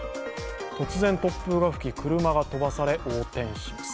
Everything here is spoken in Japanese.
突然、突風が吹き、車が飛ばされ横転します。